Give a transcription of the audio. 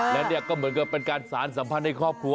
แล้วเนี่ยก็เหมือนกับเป็นการสารสัมพันธ์ในครอบครัว